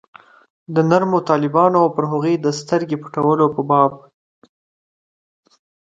د نرمو طالبانو او پر هغوی د سترګې پټولو په باب.